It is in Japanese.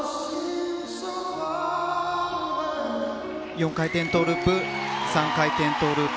４回転トウループ３回転トウループ。